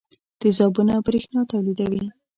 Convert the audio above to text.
تیزابونه برېښنا تولیدوي.